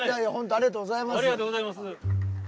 ありがとうございます。